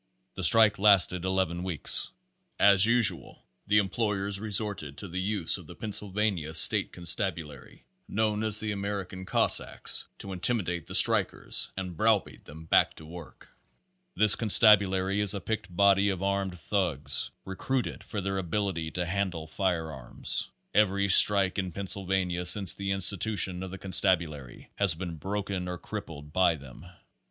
The strike lasted eleven weeks. As usual, the employers resorted to the use of the Pennsyl vania State Constabulary, known as the American Cos sacks, to intimidate the strikers and browbeat them back to work. This constabulary is a picked body of armed thugs recruited for their ability to handle fire arms. Every strike in Pennsylvania since the institu tion of the constabulary has been broken or crippled by them.